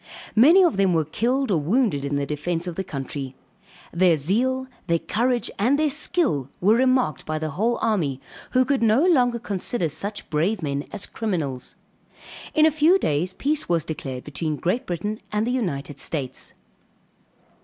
Many of them were killed or wounded in the defence of the country. Their zeal, their courage, and their skill, were remarked by the whole army, who could no longer consider such brave men as criminals. In a few days peace was declared between Great Britain and the United States.